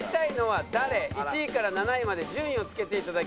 １位から７位まで順位を付けていただきたいと思います。